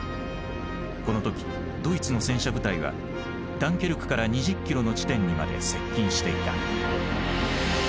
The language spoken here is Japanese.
この時ドイツの戦車部隊はダンケルクから２０キロの地点にまで接近していた。